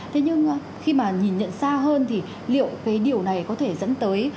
thế nhưng khi mà nhìn nhận xa hơn thì liệu cái điều này có thể dẫn tới